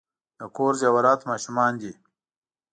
د کور زیورات ماشومان دي .